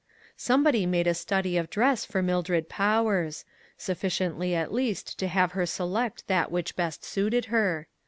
Somebody made a study of dress for Mildred Powers ; sufficiently at least to have her select that which best suited her.